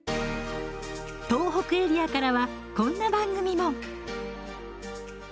東北エリアからはこんな番組も。